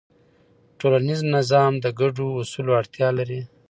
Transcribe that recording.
ټولنیز نظم د ګډو اصولو اړتیا لري.